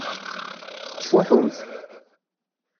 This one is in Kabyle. Tettfuḥumt.